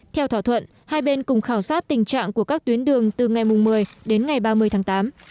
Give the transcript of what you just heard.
theo thỏa thuận hai bên cùng khảo sát tình trạng của các tuyến đường từ ngày một mươi đến ngày ba mươi tháng tám